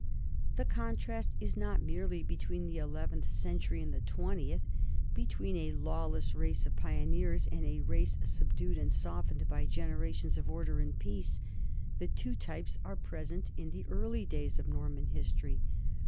The contrast is not merely between the eleventh cen tury and the twentieth, between a lawless race of pio neers and a race subdued and softened by generations of order and peace ; the two types are present in the early days of Norman history.